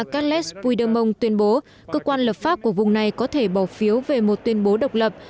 calest fuidemong tuyên bố cơ quan lập pháp của vùng này có thể bỏ phiếu về một tuyên bố độc lập